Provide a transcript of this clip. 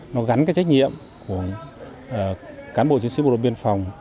nó gắn cái trách nhiệm của cán bộ chiến sĩ bộ đội biên phòng